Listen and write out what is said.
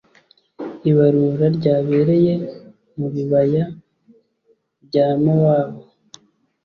ibarura ryabereye mu bibaya bya mowabu.